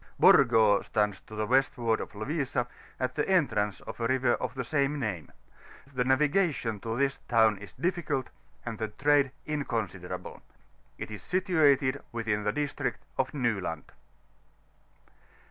BO&OO stands to the westward of Lovisa, at the entrance of a river of the same name; the navigation to this town is difficult, and the trade inconsiderable. It is situated within we district of Nyland.